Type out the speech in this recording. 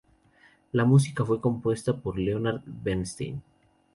La música fue compuesta por Leonard Bernstein.